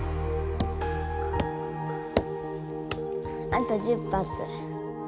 あと１０発。